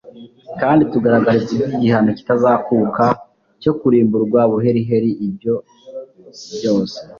kanditugaragariziby igihano kitazakuka cyo kurimburwa buheriheri Ibyo byose